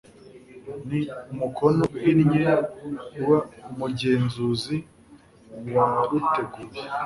n umukono uhinnye w umugenzuzi waruteguye